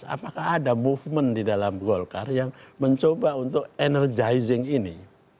apakah ada movement di dalam golkar yang mencoba untuk energizing ini